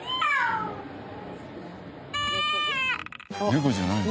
ネコじゃないの？